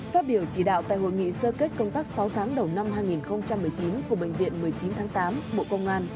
phát biểu chỉ đạo tại hội nghị sơ kết công tác sáu tháng đầu năm hai nghìn một mươi chín của bệnh viện một mươi chín tháng tám bộ công an